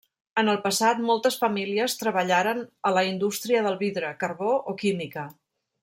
En el passat, moltes famílies treballaren a la indústria del vidre, carbó o química.